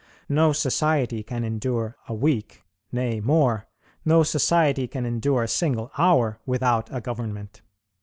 No society can endure a week, nay more, no society can endure a single hour, without a government.